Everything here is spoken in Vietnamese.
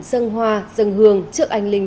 sân hoa dân hương trợ anh linh